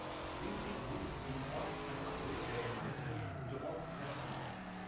Seefried wuchs im Ortsteil Assel der Gemeinde Drochtersen auf.